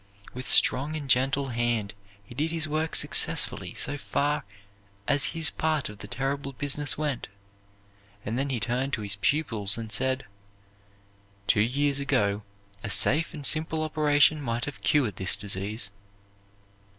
With strong and gentle hand he did his work successfully so far as his part of the terrible business went; and then he turned to his pupils and said, "Two years ago a safe and simple operation might have cured this disease.